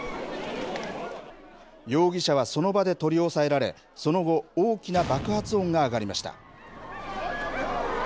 容疑者はその場で取り押さえられ、その後、大きな爆発音が上がりました。